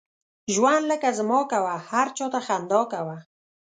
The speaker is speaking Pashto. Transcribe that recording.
ژوند لکه زما کوه، هر چاته خندا کوه.